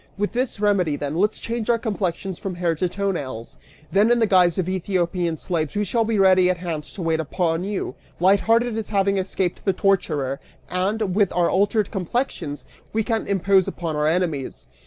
With this remedy, then, let's change our complexions, from hair to toe nails! Then, in the guise of Ethiopian slaves, we shall be ready at hand to wait upon you, light hearted as having escaped the torturer, and, with our altered complexions, we can impose upon our enemies!"